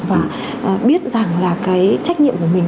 và biết rằng là cái trách nhiệm của mình